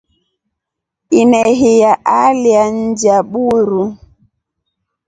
Enehiya alya nja buru.